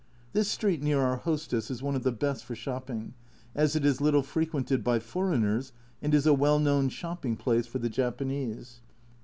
This street near our hostess is one of the best for shopping, as it is little frequented by foreigners and is a well known shopping place for the Japanese.